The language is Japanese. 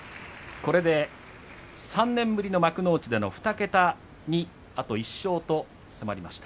これで３年ぶりの幕内での２桁にあと１勝と迫りました。